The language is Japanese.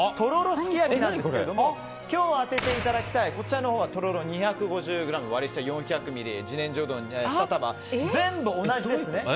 すき焼きなんですが今日あてていただきたいこちらのほうは、とろろ２５０ｇ割り下４００ミリ自然薯うどん２玉全部同じですね。